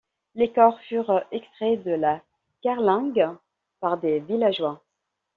Les corps furent extraits de la carlingue par des villageois.